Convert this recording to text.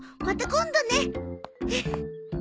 また今度ね。